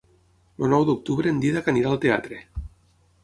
El nou d'octubre en Dídac anirà al teatre.